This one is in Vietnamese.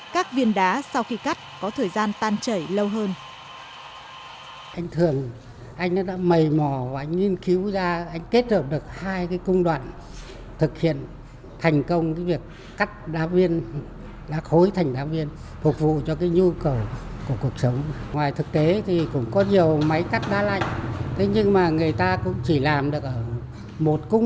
các viên đá sau khi cắt có thời gian tan chảy lâu hơn